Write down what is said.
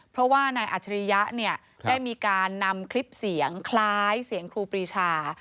เพราะในอัจริยะได้มีการนำคลิปเสียงคล้ายเสียงครูปีชา